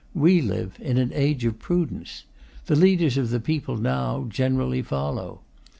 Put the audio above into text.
We live in an age of prudence. The leaders of the people, now, generally follow.